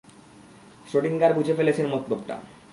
Schrödinger বুঝে ফেলেছেন মতলবটা।